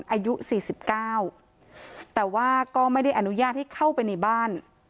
อายุสี่สิบเก้าแต่ว่าก็ไม่ได้อนุญาตให้เข้าไปในบ้าน